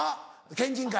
県人会。